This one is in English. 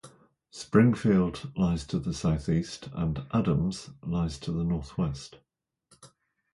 Springfield lies to the southeast, and Adams lies to the northwest.